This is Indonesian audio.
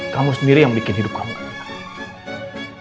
kamu sendiri yang bikin hidup kamu gak tenang